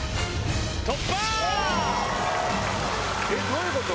どういうこと？